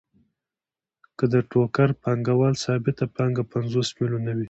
که د ټوکر پانګوال ثابته پانګه پنځوس میلیونه وي